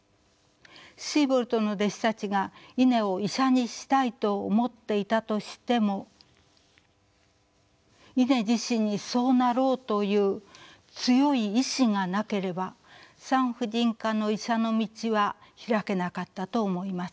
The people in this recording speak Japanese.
シーボルトの弟子たちがイネを医者にしたいと思っていたとしてもイネ自身にそうなろうという強い意志がなければ産婦人科の医者の道は開けなかったと思います。